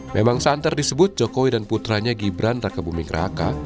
memang santer disebut jokowi dan putranya gibran raka buming raka